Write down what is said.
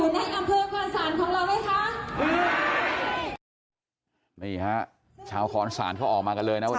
นี่ฮะชาวขออนศาลเขาออกมากันเลยนะวันนี้